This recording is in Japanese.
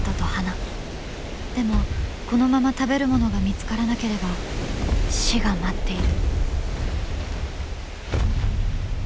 でもこのまま食べるものが見つからなければ死が待っている。